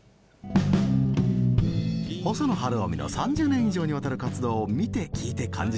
細野晴臣の３０年以上にわたる活動を見て聴いて感じてもらう。